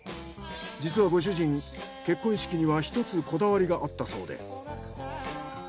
実はご主人結婚式には１つこだわりがあったそうで。